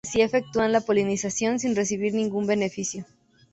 Así efectúan la polinización sin recibir ningún beneficio.